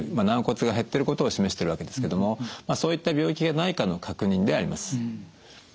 軟骨が減ってることを示してるわけですけどもそういった病気がないかの確認であります。